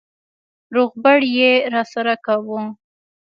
روغبړ يې راسره کاوه.